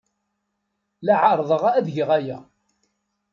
La ɛerrḍeɣ ad geɣ aya.